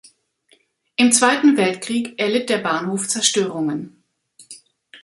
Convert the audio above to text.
Im Zweiten Weltkrieg erlitt der Bahnhof Zerstörungen.